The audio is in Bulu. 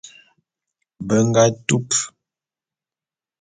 Be nga tup.